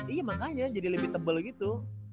iya makanya jadi lebih tebal gitu